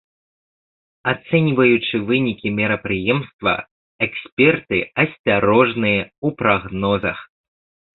Ацэньваючы вынікі мерапрыемства, эксперты асцярожныя ў прагнозах.